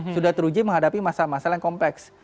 sudah teruji menghadapi masalah masalah yang kompleks